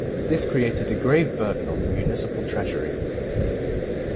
This created a grave burden on the municipal treasury.